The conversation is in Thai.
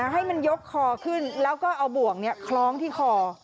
ให้มันยกคอขึ้นแล้วก็เอาบ่วงคล้องที่คอ